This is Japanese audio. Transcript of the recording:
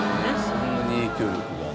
そんなに影響力が。